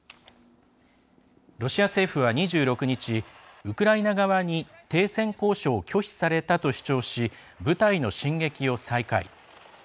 ロシア政府は２６日ウクライナ側に停戦交渉を拒否されたと主張し部隊の進撃を再開。